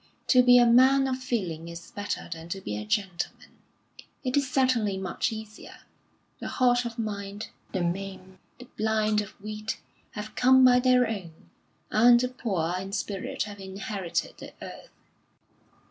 To be a man of feeling is better than to be a gentleman it is certainly much easier. The halt of mind, the maim, the blind of wit, have come by their own; and the poor in spirit have inherited the earth.